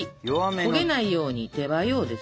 焦げないように手早うです。